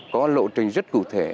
có lộ trình rất cụ thể